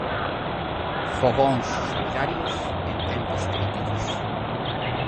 Fogóns solidarios en tempos críticos.